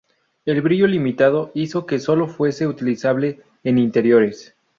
El brillo limitado hizo que solo fuese utilizable en interiores.